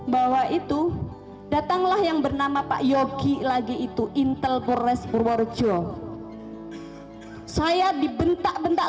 bahwa itu datanglah yang bernama pak yogi lagi itu intel forest purworejo saya dibentak bentak